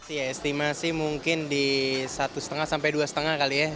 ya estimasi mungkin di satu lima sampai dua lima kali ya